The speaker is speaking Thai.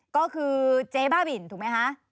ก็คือเจ๊บ้าบินถูกไหมคะ